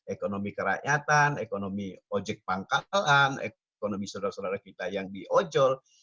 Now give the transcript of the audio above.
ekonomi kerakyatan ekonomi ojek pangkalan ekonomi saudara saudara kita yang di ojol